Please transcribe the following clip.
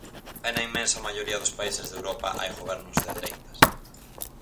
E na inmensa maioría dos países de Europa hai gobernos de dereitas.